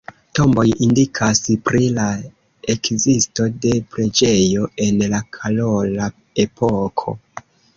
Tomboj indikas pri la ekzisto de preĝejo en la karola epoko.